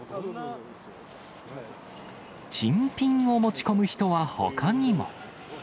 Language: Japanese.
珍品を持ち込む人はほかにも。